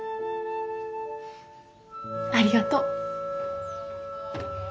ありがとう。